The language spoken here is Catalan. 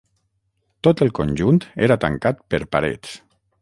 Tot el conjunt era tancat per parets.